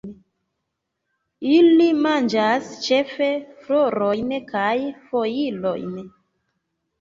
Ili manĝas ĉefe florojn kaj foliojn.